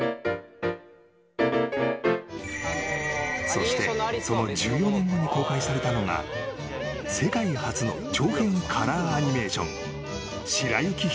［そしてその１４年後に公開されたのが世界初の長編カラーアニメーション］